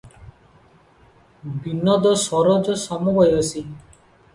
ବିନୋଦ ସରୋଜ ସମବୟସୀ ।